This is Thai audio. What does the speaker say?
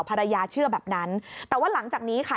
ภรรยาเชื่อแบบนั้นแต่ว่าหลังจากนี้ค่ะ